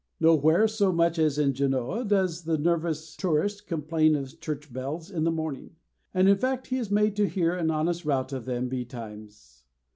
Nowhere so much as in Genoa does the nervous tourist complain of church bells in the morning, and in fact he is made to hear an honest rout of them betimes.